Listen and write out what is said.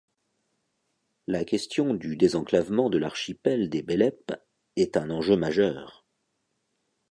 La question du désenclavement de l'archipel des Bélep est un enjeu majeur.